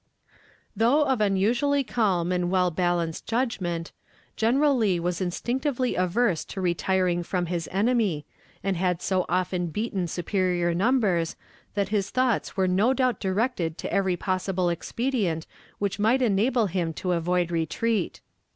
Though of unusually calm and well balanced judgment, General Lee was instinctively averse to retiring from his enemy, and had so often beaten superior numbers that his thoughts were no doubt directed to every possible expedient which might enable him to avoid retreat.